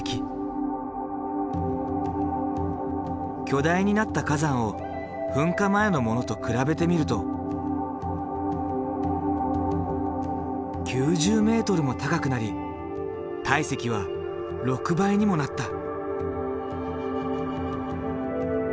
巨大になった火山を噴火前のものと比べてみると９０ｍも高くなり体積は６倍にもなった。